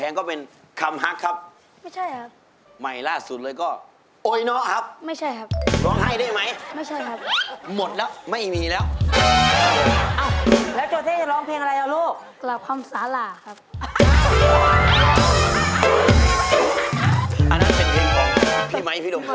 อันนั้นเป็นเพลงของพี่ไหม้พี่ดมพรนะครับ